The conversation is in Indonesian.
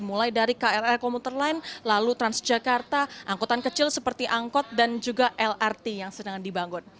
mulai dari krl komuter lain lalu transjakarta angkutan kecil seperti angkot dan juga lrt yang sedang dibangun